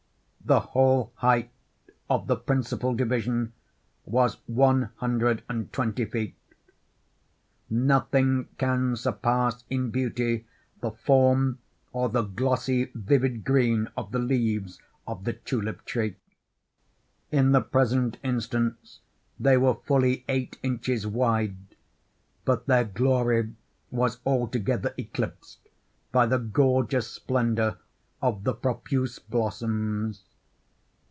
The whole height of the principal division was one hundred and twenty feet. Nothing can surpass in beauty the form, or the glossy, vivid green of the leaves of the tulip tree. In the present instance they were fully eight inches wide; but their glory was altogether eclipsed by the gorgeous splendor of the profuse blossoms.